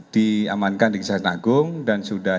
diamankan di kisah senagung dan sudah